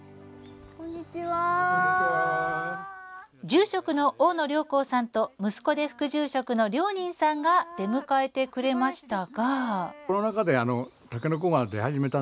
住職の大野亮弘さんと息子で副住職の亮人さんが出迎えてくれましたが。